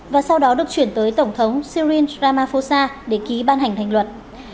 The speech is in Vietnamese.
và sau đó được chuyển tới tổng thống sirin ramaphosa để ký ban hành thành luật